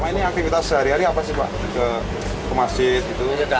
ini aktivitas sehari hari apa sih pak ke masjid